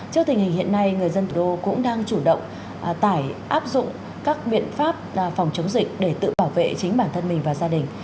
trước tình hình hiện nay người dân thủ đô cũng đang chủ động tải áp dụng các biện pháp phòng chống dịch để tự bảo vệ chính bản thân mình và gia đình